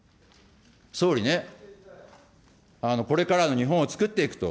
総理ね、これからの日本を作っていくと、